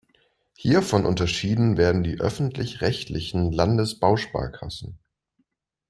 Hiervon unterschieden werden die öffentlich-rechtlichen Landesbausparkassen.